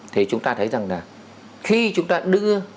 thì chúng ta thấy rằng là khi chúng ta đưa